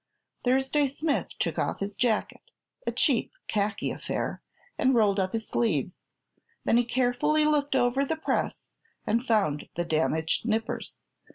Thursday Smith took off his jacket a cheap khaki affair and rolled up his sleeves. Then he carefully looked over the press and found the damaged nippers.